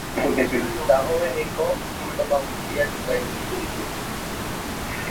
Dagoeneko sintoma guztiak gainditu ditu.